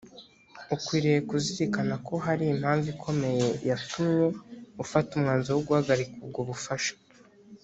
ukwiriye kuzirikana ko hari impamvu ikomeye yatumye ufata umwanzuro wo guhagarika ubwo bufasha